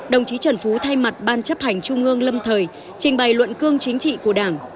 đồng chí trần phú thay mặt ban chấp hành trung ương lâm thời trình bày luận cương chính trị của đảng